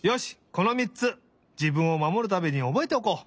このみっつじぶんをまもるためにおぼえておこう！